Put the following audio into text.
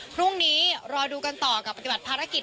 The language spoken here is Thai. พรุ่งนี้รอดูกันต่อกับปฏิบัติภารกิจ